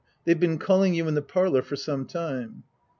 They've been calling you in the parlor for some time.